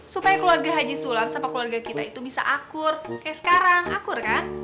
supaya keluarga haji sulap sama keluarga kita itu bisa akur kayak sekarang akur kan